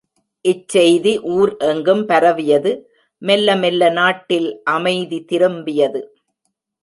இச்செய்தி ஊர் எங்கும் பரவியது மெல்ல மெல்ல நாட்டில் அமைதி திரும்பியது.